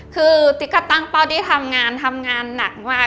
คือติ๊กก็ตั้งเป้าที่ทำงานทำงานหนักมาก